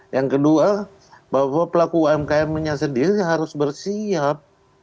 yang kedua bahwa pelaku umkm nya sendiri harus bersiap